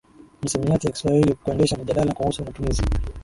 misamiati ya Kiswahili Kuendesha mijadala kuhusu matumizi